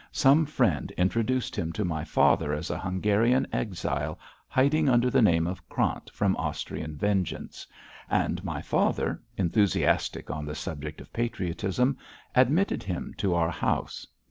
Some friend introduced him to my father as a Hungarian exile hiding under the name of Krant from Austrian vengeance; and my father, enthusiastic on the subject of patriotism, admitted him to our house.